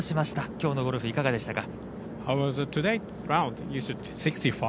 きょうのゴルフはいかがでしたか。